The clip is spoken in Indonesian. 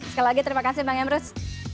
sekali lagi terima kasih bang emrus